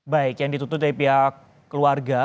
baik yang ditutup dari pihak keluarga